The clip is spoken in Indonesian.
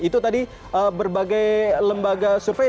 itu tadi berbagai lembaga survei